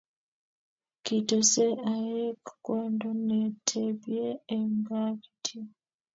Kitose aek kwondo netebye eng gaa kityo